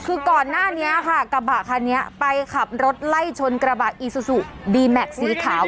คือก่อนหน้านี้ค่ะกระบะคันนี้ไปขับรถไล่ชนกระบะอีซูซูดีแม็กซสีขาว